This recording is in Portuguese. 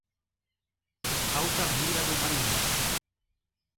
Altamira do Maranhão